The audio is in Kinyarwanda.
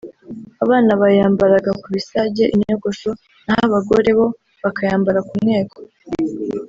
Abana bayambaraga ku bisage (inyogosho) naho abagore bo bakayambara ku mweko